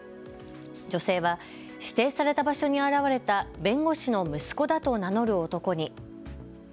女性は指定された場所に現れた弁護士の息子だと名乗る男に。